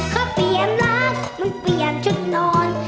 เขาเปลี่ยนรักมันเปลี่ยนชุดนอน